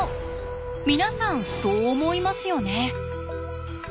皆さんそう思いますよね？